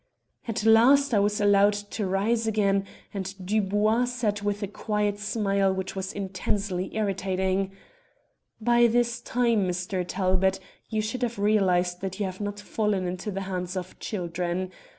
"At last I was allowed to rise again, and Dubois said with a quiet smile which was intensely irritating "'By this time, Mr. Talbot, you should have realized that you have not fallen into the hands of children.